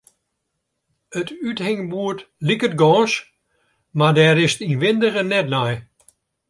It úthingboerd liket gâns, mar dêr is 't ynwindige net nei.